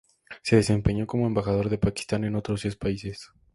Se desempeñó como embajador de Pakistán en otros diez países.